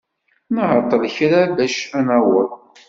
Nɛeṭṭel kra bac ad naweḍ.